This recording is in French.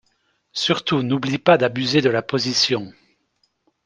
Surtout n’oublie pas d’abuser de la position.